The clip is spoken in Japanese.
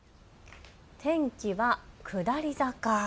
天気は下り坂。